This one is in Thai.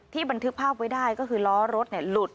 บันทึกภาพไว้ได้ก็คือล้อรถหลุด